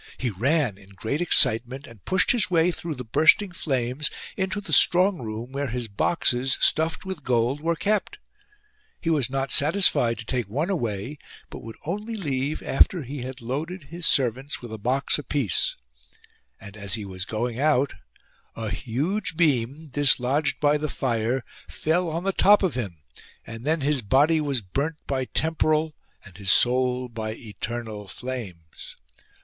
He ran, in great excitement, and pushed his way through the bursting flames into the strong room where his boxes, stuffed with gold, were kept : he was not satisfied to take 93 TANCHO, THE BELL FOUNDER one away, but would only leave after he had loaded his servants with a box a piece. And as he was going out a huge beam, dislodged by the fire, fell on the top of him ; and then his body was burnt by temporal and his soul by eternal flames.